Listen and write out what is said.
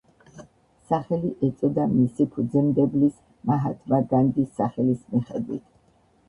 სახელი ეწოდა მისი ფუძემდებლის მაჰათმა განდის სახელის მიხედვით.